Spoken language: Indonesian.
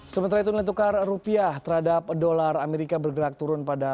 sementara itu nilai tukar rupiah terhadap dolar amerika bergerak turun pada